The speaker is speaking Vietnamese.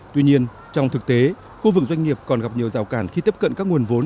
tuy nhiên trong thực tế khu vực doanh nghiệp còn gặp nhiều rào cản khi tiếp cận các nguồn vốn